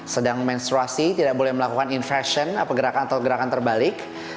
sedang menstruasi tidak boleh melakukan infrasion atau gerakan terbalik